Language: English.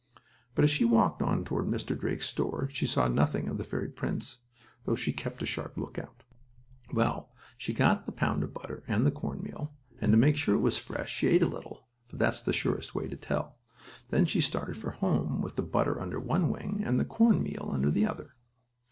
But, as she walked on toward Mr. Drake's store she saw nothing of the fairy prince, though she kept a sharp lookout. Well, she got the pound of butter and the cornmeal, and to make sure it was fresh she ate a little, for that's the surest way to tell. Then she started for home, with the butter under one wing and the cornmeal under the other.